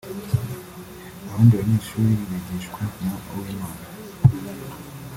Abandi banyeshuri bigishwa na Uwimana